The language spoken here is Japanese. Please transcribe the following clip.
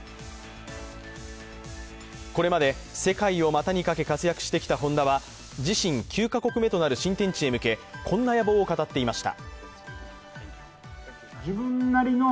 これまで世界を股にかけ活躍してきた本田は自身９カ国目となる新天地へ向けこんな野望を語っていました。